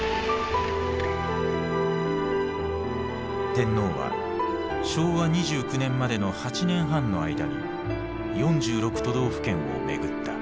天皇は昭和２９年までの８年半の間に４６都道府県を巡った。